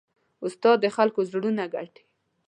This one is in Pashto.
استاد د خلکو زړونه ګټي.